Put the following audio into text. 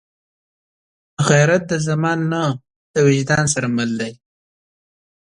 غیرت د زمان نه، د وجدان سره مل دی